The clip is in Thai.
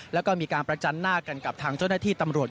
แล้วก็มีการประจันหน้ากันกับทางเจ้าหน้าที่ตำรวจ